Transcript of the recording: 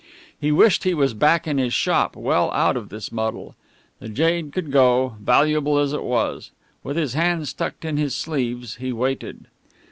He wished he was back in his shop, well out of this muddle. The jade could go, valuable as it was. With his hands tucked in his sleeves he waited.